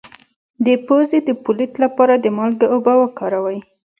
د پوزې د پولیت لپاره د مالګې اوبه وکاروئ